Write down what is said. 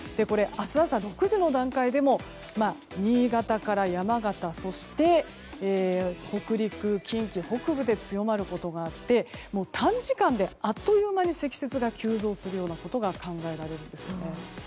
明日朝６時の段階でも新潟から山形、そして北陸近畿北部で強まることがあって短時間で、あっという間に積雪が急増するようなことが考えられるんですね。